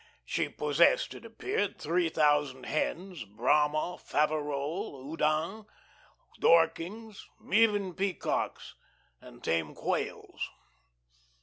She possessed, it appeared, three thousand hens, Brahma, Faverolles, Houdans, Dorkings, even peacocks and tame quails.